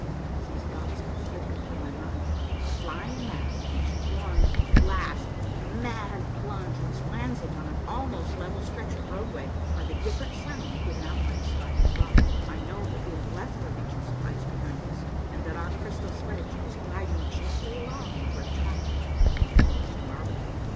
As these thoughts are flitting through my mind, the flying 212 A MARVELLOUS UNDERGROUND JOURNEY mass takes one last mad plunge which lands it on an almost level stretch of roadwaj^ and by the different sound given out by the sliding block, I know that we have left the regions of ice behind us, and that our crystal sledge is gliding gently along over a track of polished marble.